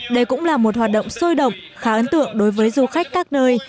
đây cũng là một hoạt động sôi động khá ấn tượng đối với du khách các nơi